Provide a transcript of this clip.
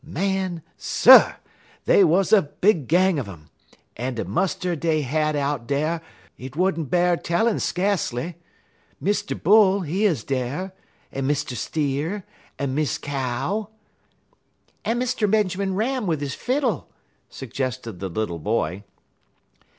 Man Sir! dey wuz a big gang un um, en de muster dey had out dar 't wa'n't b'ar tellin' skacely. Mr. Bull, he 'uz dar, en Mr. Steer, en Miss Cow" "And Mr. Benjamin Ram, with his fiddle," suggested the little boy.